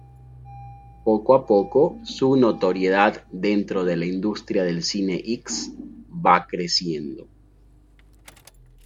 Poco a poco su notoriedad dentro de la industria del cine X va creciendo.